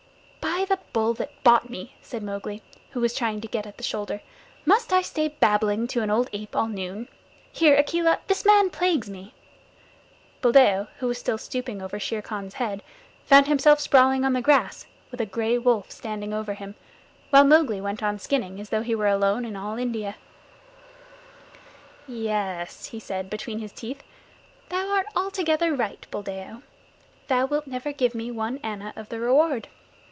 "By the Bull that bought me," said Mowgli, who was trying to get at the shoulder, "must I stay babbling to an old ape all noon? Here, Akela, this man plagues me." Buldeo, who was still stooping over Shere Khan's head, found himself sprawling on the grass, with a gray wolf standing over him, while Mowgli went on skinning as though he were alone in all India. "Ye es," he said, between his teeth. "Thou art altogether right, Buldeo. Thou wilt never give me one anna of the reward.